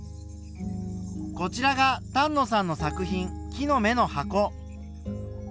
こちらが丹野さんの作品「木の芽の箱」。